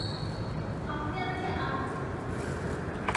আপনি আমাকে আরো কিছু বলুন।